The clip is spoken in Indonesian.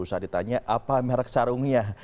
saat ditanya apa merek sarungnya